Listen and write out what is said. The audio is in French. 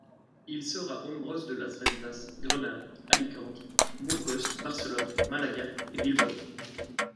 Il sort a hombros de Las Ventas, Grenade, Alicante, Burgos, Barcelone, Malaga et Bilbao.